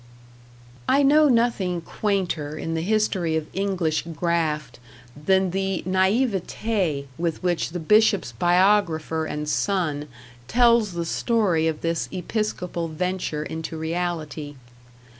I know nothing quainter in the history of English graft than the NAIVETÉ with which the Bishop's biographer and son tells the story of this episcopal venture into reality.